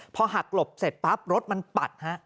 พอหักหลบเสร็จปั๊บรถมันปัดฮะ